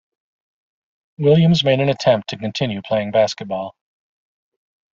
Williams made an attempt to continue playing basketball.